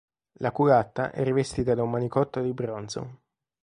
La culatta è rivestita da un manicotto di bronzo.